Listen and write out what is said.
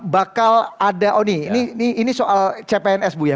bakal ada oh ini soal cpns bu ya